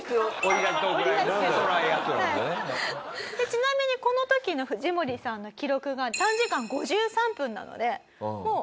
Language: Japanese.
ちなみにこの時の藤森さんの記録が３時間５３分なのでもう。